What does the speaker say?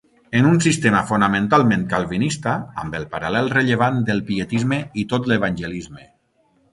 En un sistema fonamentalment calvinista amb el paral·lel rellevant del pietisme i tot l'evangelisme.